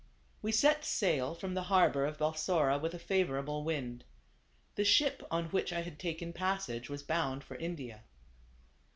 We set sail from the harbor of Balsora with a favorable wind. The ship, on which I had taken passage, was bound for India.